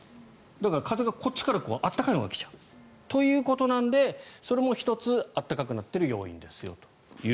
だから、風がこっちから暖かいのが来ちゃう。ということなので、それも１つ暖かくなっている要因ですよと。